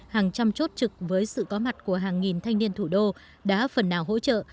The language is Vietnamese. hàng trăm chốt trực với sự có mặt của hàng nghìn thanh niên thủ đô đã phần nào hỗ trợ